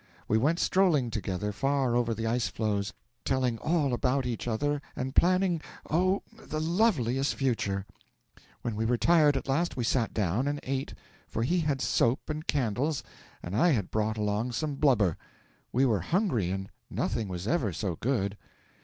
We went strolling together far over the ice floes, telling all about each other, and planning, oh, the loveliest future! When we were tired at last we sat down and ate, for he had soap and candles and I had brought along some blubber. We were hungry and nothing was ever so good.